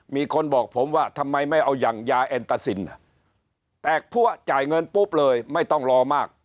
มีคนบอกผมว่าทำไมไม่เอาอย่างยาเอ็นตาซินแตกพัวจ่ายเงินปุ๊บเลยไม่ต้องรอมาก